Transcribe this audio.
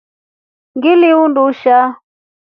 Ngili undusha.